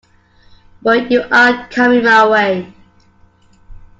But you are coming my way.